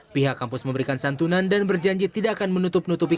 pihak kampus memberikan santunan dan berjanji tidak akan menutup nutupi